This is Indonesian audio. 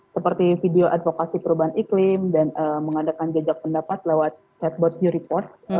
seperti video advokasi perubahan iklim dan mengadakan jejak pendapat lewat chatbot new report